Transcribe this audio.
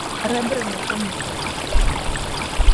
Рэбры на кані палічыш.